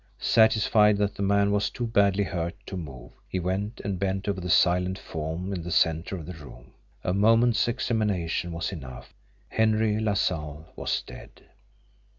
Satisfied that the man was too badly hurt to move, he went and bent over the silent form in the centre of the room. A moment's examination was enough. "Henry LaSalle" was dead.